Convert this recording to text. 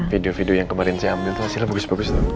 video video yang kemarin saya ambil itu hasilnya bagus bagus